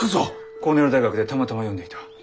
コーネル大学でたまたま読んでいた。